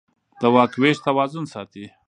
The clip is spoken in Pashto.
د واک وېش توازن ساتي